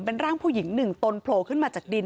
เป็นร่างผู้หญิงหนึ่งตนโผล่ขึ้นมาจากดิน